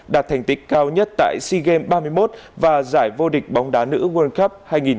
đạt thành tích cao nhất tại sea games ba mươi một và giải vô địch bóng đá nữ world cup